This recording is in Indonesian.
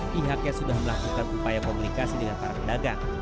pihaknya sudah melakukan upaya komunikasi dengan para pedagang